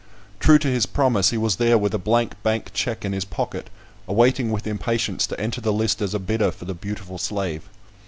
True to his promise, he was there with a blank bank check in his pocket, awaiting with impatience to enter the list as a bidder for the beautiful slave.